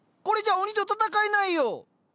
これじゃ鬼と戦えないよ！